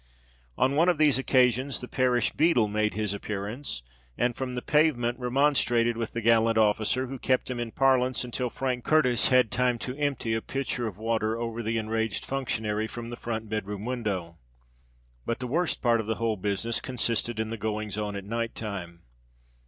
On one of these occasions the parish beadle made his appearance, and from the pavement remonstrated with the gallant officer, who kept him in parlance until Frank Curtis had time to empty a pitcher of water over the enraged functionary from the front bed room window. But the worst part of the whole business consisted in the goings on at night time.